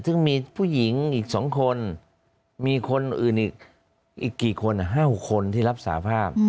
ซึ่งมีผู้หญิงอีก๒คนมีคนอื่นอีกกี่คน๕๖คนที่รับสาภาพ